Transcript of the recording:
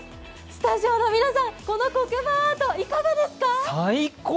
スタジオの皆さん、この黒板アートいかがですか？